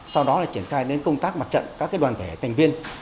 sau đó là triển khai đến công tác mặt trận các đoàn thể thành viên